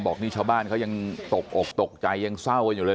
นี่ชาวบ้านเขายังตกอกตกใจยังเศร้ากันอยู่เลย